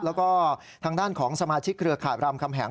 แล้วก็ทางด้านของสมาชิกเครือข่ายรามคำแหง